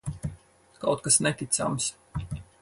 Kaut kas neticams.